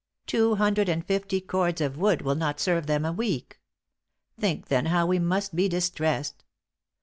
Two hundred and fifty cords of wood will not serve them a week. Think then how we must be distressed.